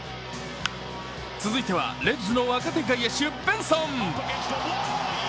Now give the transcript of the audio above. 続いてはレッズの若手外野手、ベンソン。